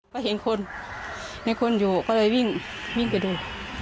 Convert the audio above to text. ก็เห็นคนอยู่ก็เลยวิ่งกันดู